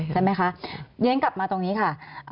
ใช่ไหมคะเรียนกลับมาตรงนี้ค่ะ